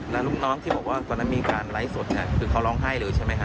แล้วลูกน้องที่บอกว่าตอนนั้นมีการไลฟ์สดเนี่ยคือเขาร้องไห้เลยใช่ไหมฮะ